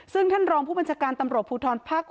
ซึ่งท่านรองผู้บัญชาการตำรวจภูทรภาค๖